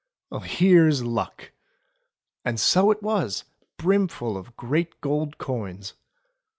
Here's luck!" And so it was, brimful of great gold coins.